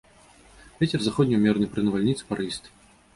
Вецер заходні ўмераны, пры навальніцы парывісты.